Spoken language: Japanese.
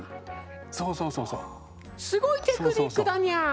すごいテクニックだにゃ。